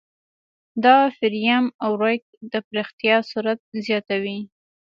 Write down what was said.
دا فریم ورک د پراختیا سرعت زیاتوي.